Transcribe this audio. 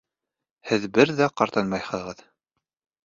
Һеҙ бер ҙә ҡартаймайһығыҙ.